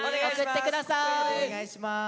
お願いします！